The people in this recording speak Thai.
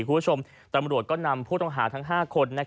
คุณผู้ชมตำรวจก็นำผู้ต้องหาทั้ง๕คน